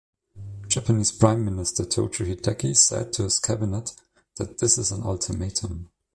Japanese Prime Minister Tojo Hideki said to his cabinet that this is an ultimatum.